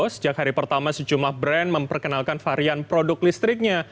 sejak hari pertama sejumlah brand memperkenalkan varian produk listriknya